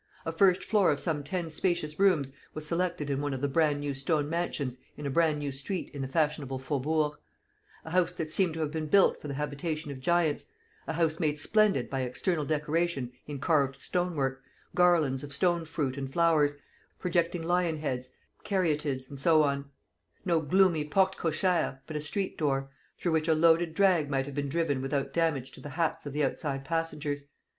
A first floor of some ten spacious rooms was selected in one of the bran new stone mansions in a bran new street in the fashionable Faubourg; a house that seemed to have been built for the habitation of giants; a house made splendid by external decoration in carved stonework, garlands of stone fruit and flowers, projecting lion heads, caryatides, and so on: no gloomy porte cochère, but a street door, through which a loaded drag might have been driven without damage to the hats of the outside passengers.